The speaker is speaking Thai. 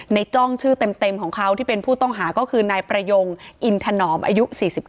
จ้องชื่อเต็มของเขาที่เป็นผู้ต้องหาก็คือนายประยงอินถนอมอายุ๔๙